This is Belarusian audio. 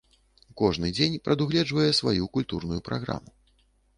Кожны дзень прадугледжвае сваю культурную праграму.